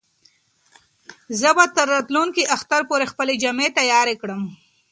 زه به تر راتلونکي اختر پورې خپلې جامې تیارې کړم.